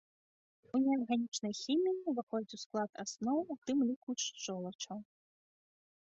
У неарганічнай хіміі ўваходзяць у склад асноў, у тым ліку, шчолачаў.